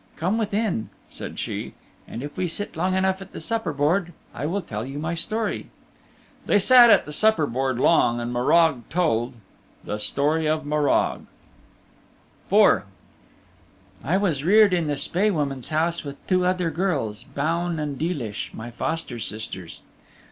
Come within," said she, "and if we sit long enough at the supper board I will tell you my story." They sat at the supper board long, and Morag told The Story of Morag IV I was reared in the Spae Woman's house with two other girls, Baun and Deelish, my foster sisters.